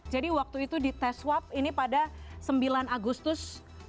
jadi waktu itu di tes swab ini pada sembilan agustus dua ribu dua puluh